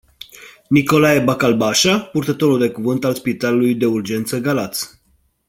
Nicolae bacalbașa, purtătorul de cuvânt al spitalului de urgență Galați.